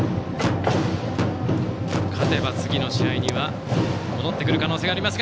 勝てば次の試合には戻ってくる可能性があります。